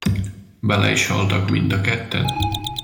Bele is haltak mind a ketten!